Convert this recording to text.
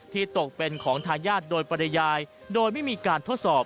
ตกเป็นของทายาทโดยปริยายโดยไม่มีการทดสอบ